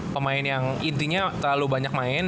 pemain yang intinya terlalu banyak main